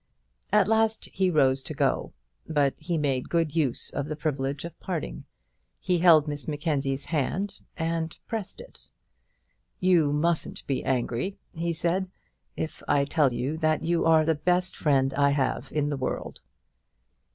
At last he rose to go, but he made good use of the privilege of parting. He held Miss Mackenzie's hand, and pressed it. "You mustn't be angry," he said, "if I tell you that you are the best friend I have in the world."